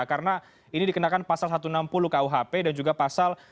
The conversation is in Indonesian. karena ini dikenakan pasal satu ratus enam puluh kuhp dan juga pasal dua ratus delapan belas